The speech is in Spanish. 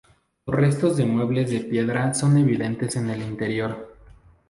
Los restos de muebles de piedra son evidentes en el interior.